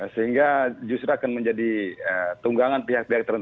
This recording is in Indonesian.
sehingga justru akan menjadi tunggangan pihak pihak tertentu